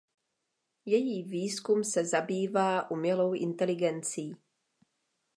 Její výzkum se zabývá umělou inteligencí.